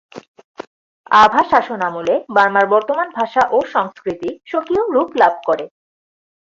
আভা শাসনামলে বার্মার বর্তমান ভাষা ও সংস্কৃতি স্বকীয় রূপ লাভ করে।